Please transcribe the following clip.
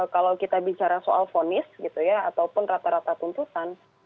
kalau kita bicara soal fonis gitu ya ataupun rata rata tuntutan